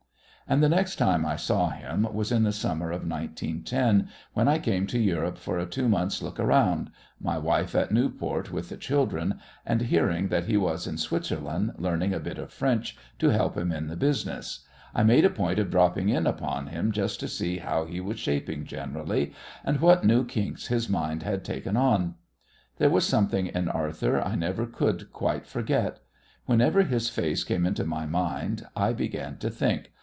And the next time I saw him was in the summer of 1910, when I came to Europe for a two months' look around my wife at Newport with the children and hearing that he was in Switzerland, learning a bit of French to help him in the business, I made a point of dropping in upon him just to see how he was shaping generally and what new kinks his mind had taken on. There was something in Arthur I never could quite forget. Whenever his face came into my mind I began to think.